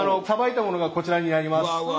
さばいたものがこちらになります。